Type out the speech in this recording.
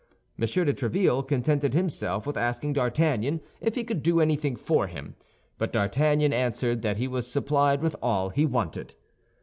M. de Tréville contented himself with asking D'Artagnan if he could do anything for him, but D'Artagnan answered that he was supplied with all he wanted.